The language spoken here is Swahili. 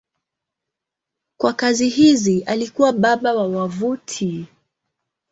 Kwa kazi hizi alikuwa baba wa wavuti.